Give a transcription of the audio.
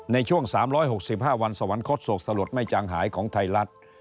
ในช่วง๓๖๕วันสวรรคตโศกสลดไม่จางหายของไทยรัฐ